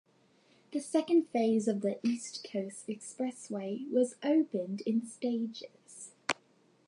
The second phase of the East Coast Expressway was opened in stages.